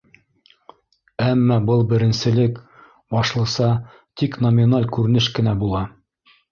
Әммә был беренселек, башлыса, тик номиналь күренеш кенә була.